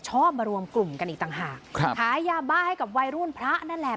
ชอบมารวมกลุ่มกันอีกต่างหากครับขายยาบ้าให้กับวัยรุ่นพระนั่นแหละ